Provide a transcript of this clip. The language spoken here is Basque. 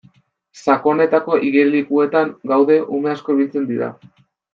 Sakonetako igerilekuetan gaude ume asko ibiltzen dira.